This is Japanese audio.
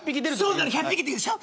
そうなの１００匹っていうでしょ。